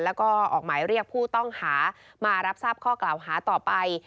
แล้วก็ออกหมายเรียกผู้ต้องหามารับทราบข้อกล่าวหาต่อไป